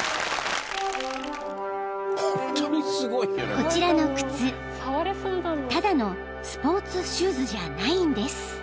［こちらの靴ただのスポーツシューズじゃないんです］